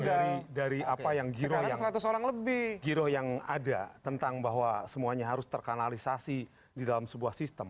kalau dari apa yang giro yang ada tentang bahwa semuanya harus terkanalisasi di dalam sebuah sistem